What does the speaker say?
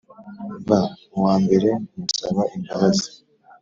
ba uwambere mugusaba imbabazi